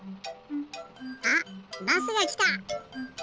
あっバスがきた！